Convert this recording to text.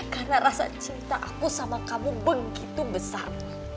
karena rasa cinta aku sama kamu begitu besar